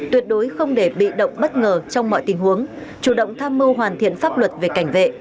tuyệt đối không để bị động bất ngờ trong mọi tình huống chủ động tham mưu hoàn thiện pháp luật về cảnh vệ